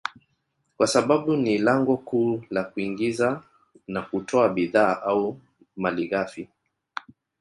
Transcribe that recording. kwa sababu ni lango kuu la kuingiza na kutoa bidhaa au malighafi